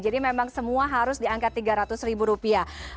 jadi memang semua harus diangkat tiga ratus ribu rupiah